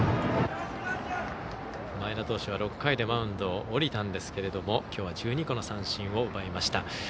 前田投手は６回でマウンドを降りたんですがきょうは１２個の三振を奪いました。